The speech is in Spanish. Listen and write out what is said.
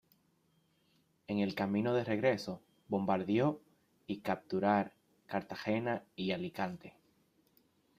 En el camino de regreso bombardeó y capturar Cartagena y Alicante.